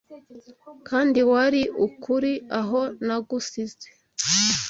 Kandi wari ukuri aho nagusize